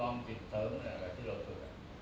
หลักผิดเรืองหรือสิ่งที่เราพูด